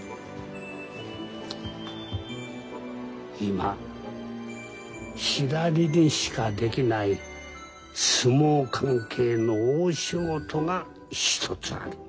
今ひらりにしかできない相撲関係の大仕事が一つある。